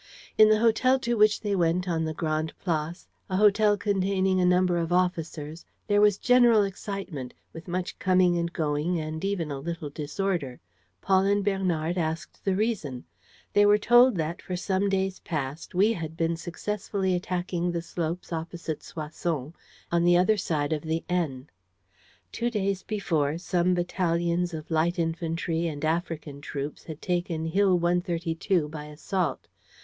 In the hotel to which they went on the Grande Place, a hotel containing a number of officers, there was general excitement, with much coming and going and even a little disorder. Paul and Bernard asked the reason. They were told that, for some days past, we had been successfully attacking the slopes opposite Soissons, on the other side of the Aisne. Two days before, some battalions of light infantry and African troops had taken Hill 132 by assault.